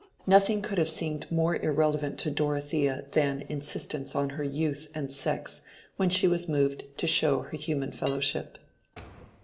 Nothing could have seemed more irrelevant to Dorothea than insistence on her youth and sex when she was moved to show her human fellowship.